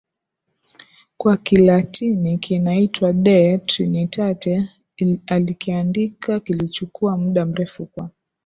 kwa Kilatini kinaitwa De Trinitate alikiandika Kilichukua muda mrefu kwa